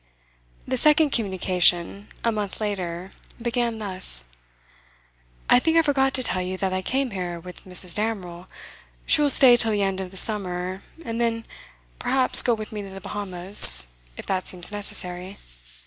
The second communication, a month later, began thus: 'I think I forgot to tell you that I came here with Mrs. Damerel. She will stay till the end of the summer, and then, perhaps, go with me to the Bahamas, if that seems necessary.